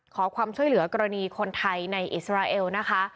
ขอความช่วยเหลือกรณีคนไทยในอิสราเอลนะคะ